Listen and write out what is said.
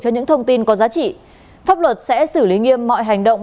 cho những thông tin có giá trị pháp luật sẽ xử lý nghiêm mọi hành động